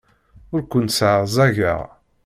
Ur kent-sseɛẓageɣ.